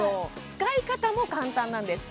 使い方も簡単なんです